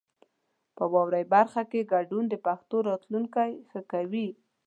په واورئ برخه کې ګډون د پښتو راتلونکی ښه کوي.